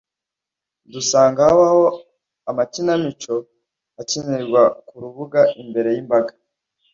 dusanga habaho amakinamico akinirwa ku rubuga imbere y’imbaga